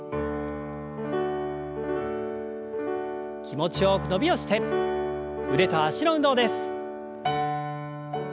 気持ちよく伸びをして腕と脚の運動です。